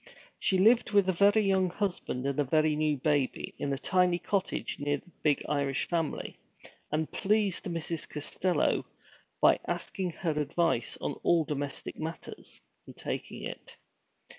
She lived with a very young husband, and a very new baby, in a tiny cottage near the big Irish family, and pleased Mrs. Costello by asking her advice on all domestic matters, and taking it.